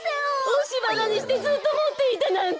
おしばなにしてずっともっていたなんて！